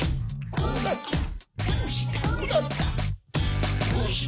こうなった？